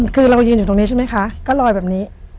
คือเรายืนอยู่ตรงนี้ใช่ไหมคะก็ลอยแบบนี้